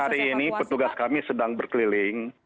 hari ini hari ini petugas kami sedang berkeliling